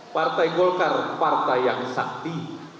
partai golkar partai yang sakti